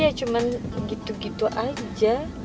ya cuma gitu gitu aja